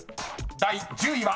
第１０位は］